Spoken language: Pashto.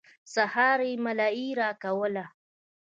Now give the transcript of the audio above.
سهار يې ملايي راکوله.